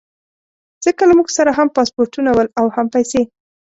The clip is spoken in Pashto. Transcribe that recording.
ځکه له موږ سره هم پاسپورټونه ول او هم پیسې.